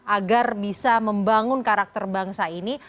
agar bisa membangun karakter bangsa ini